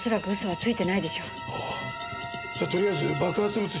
はい！